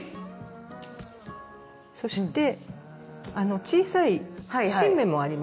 そして小さい新芽もあります。